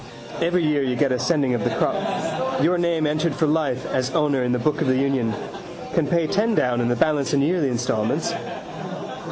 Every year you get a sending of the crop. Your name entered for life as owner in the book of the union. Can pay ten down and the balance in yearly instalments.